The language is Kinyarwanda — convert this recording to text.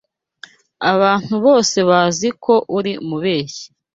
Abantu bose bazi ko uri umubeshyi.